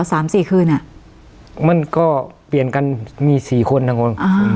สามสี่คืนอ่ะมันก็เปลี่ยนกันมีสี่คนนะคุณอ่า